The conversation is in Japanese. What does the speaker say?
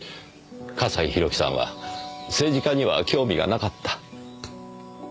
笠井宏樹さんは政治家には興味がなかった？